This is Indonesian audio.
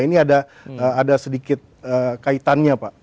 ini ada sedikit kaitannya pak